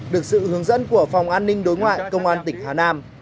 được sự hướng dẫn của phòng an ninh đối ngoại công an tỉnh hà nam